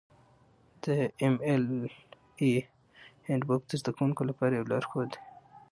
د ایم ایل اې هینډبوک د زده کوونکو لپاره یو لارښود دی.